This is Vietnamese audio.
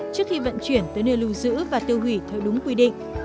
trước khi vận chuyển tới nơi lưu giữ và tiêu hủy theo đúng quy định